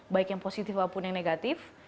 baik yang positif maupun yang negatif